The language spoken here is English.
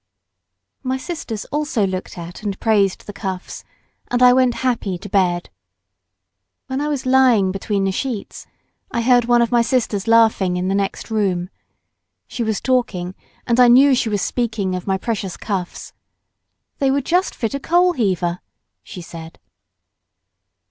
My sisters also looked at and praised the cuffs, and I went happy to bed. When I was lying between the sheets I heard one of my sisters laughing in the next room. She was talking, and I knew she was speaking of my precious cuffs. " They would just fit a coal heaver" she said.